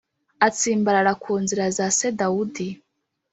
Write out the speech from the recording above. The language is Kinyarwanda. atsimbarara ku nzira za se Dawudi,